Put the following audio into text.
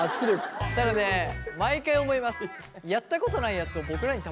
ただね毎回思います。